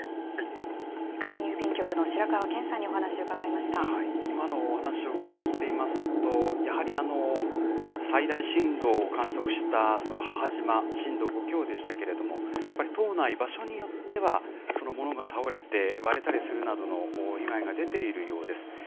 簡易郵便局の白川研さんにお今のお話を伺っていますと、やはり最大震度を観測した母島、震度５強でしたけれども、やっぱり島内、場所によっては、物が倒れて、割れたりするなどの被害が出ているようです。